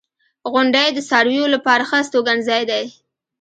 • غونډۍ د څارویو لپاره ښه استوګنځای دی.